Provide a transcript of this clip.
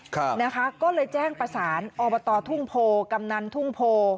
ครับนะคะก็เลยแจ้งประสานอบตทุ่งโพกำนันทุ่งโพ